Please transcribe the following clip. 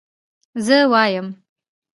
زه وايم